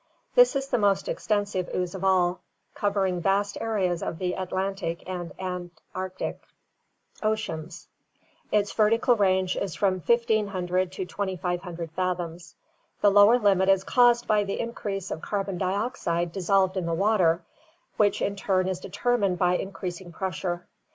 This is the most exten sive ooze of all, covering vast areas of the Atlantic and Antarctic oceans. Its vertical range is from 1500 to 2500 fathoms. The lower limit is caused by the increase of carbon dioxide dissolved in the water, which in turn is determined by increasing pressure.